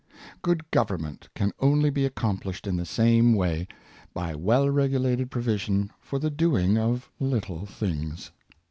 Good government can only be accomplished in the same way — by well regulated provision for the doing of little things.